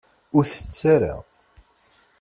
Ur tetti ara.